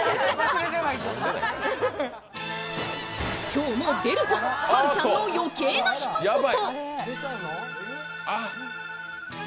今日も出るぞ、まるちゃんの余計なひと言。